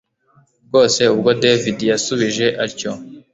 rwose ubwo david yasubije atyo